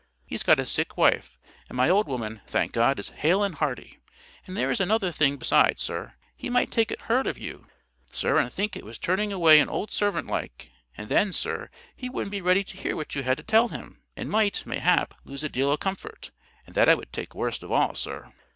He's got a sick wife; and my old woman, thank God, is hale and hearty. And there is another thing besides, sir: he might take it hard of you, sir, and think it was turning away an old servant like; and then, sir, he wouldn't be ready to hear what you had to tell him, and might, mayhap, lose a deal o' comfort. And that I would take worst of all, sir."